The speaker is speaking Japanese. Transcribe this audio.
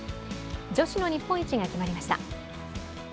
女子の日本一が決まりました。